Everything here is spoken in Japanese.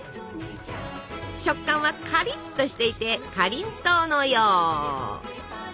食感はかりっとしていてかりんとうのよう！